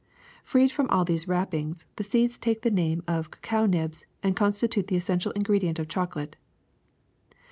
Freed from all these wrappings, the seeds take the name of cacao nibs and constitute the essential ingredient of chocolate.